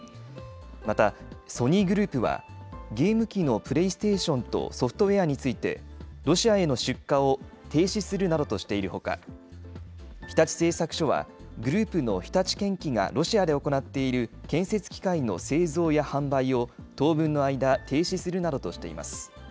また、ソニーグループは、ゲーム機のプレイステーションとソフトウェアについてロシアへの出荷を停止するなどとしているほか、日立製作所は、グループの日立建機がロシアで行っている建設機械の製造や販売を当分の間、停止するなどとしています。